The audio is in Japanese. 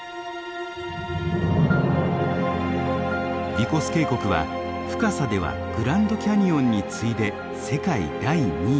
ヴィコス渓谷は深さではグランドキャニオンに次いで世界第２位。